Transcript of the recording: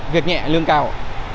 việc nhẹ lương cao